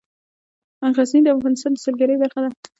غزني د افغانستان د سیلګرۍ برخه ده.